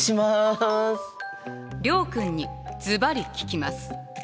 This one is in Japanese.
諒君にずばり聞きます。